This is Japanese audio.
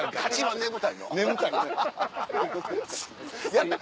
やった！